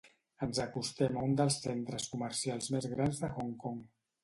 Ens acostem a un dels centres comercials més grans de Hong Kong.